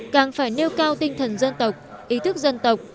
càng phải nêu cao tinh thần dân tộc ý thức dân tộc